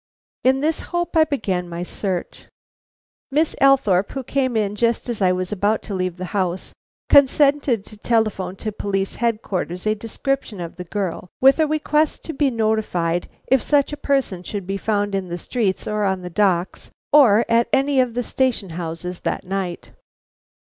In this hope I began my search. Miss Althorpe, who came in just as I was about to leave the house, consented to telephone to Police Headquarters a description of the girl, with a request to be notified if such a person should be found in the streets or on the docks or at any of the station houses that night.